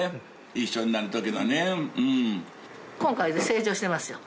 今回で成長してますよ。